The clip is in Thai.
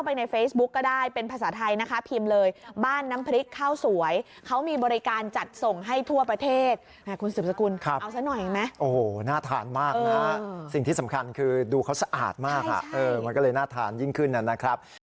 มันก็เลยน่าทานยิ่งขึ้นนั่นนะครับ